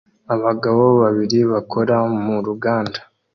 Abagabo babiri bakora mu ruganda